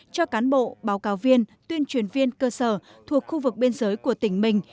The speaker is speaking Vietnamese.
cho cán bộ báo cáo viên tuyên truyền viên cơ sở thuộc khu vực biên giới của tỉnh mình